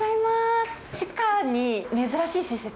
地下に珍しい施設？